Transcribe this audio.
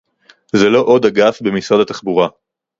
זה לא עוד אגף במשרד התחבורה